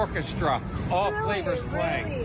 ไม่ทำไมไม่ล่ะ